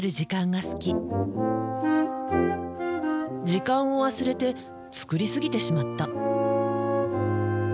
時間を忘れて作りすぎてしまった。